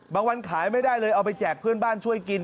วันขายไม่ได้เลยเอาไปแจกเพื่อนบ้านช่วยกิน